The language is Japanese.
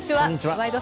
「ワイド！